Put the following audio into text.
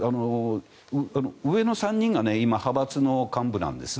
上の３人が今、派閥の幹部なんです。